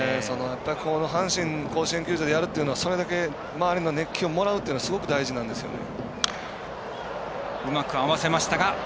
この阪神甲子園球場でやるというのはそれだけ周りの熱気をもらうというのはすごく大事なんですね。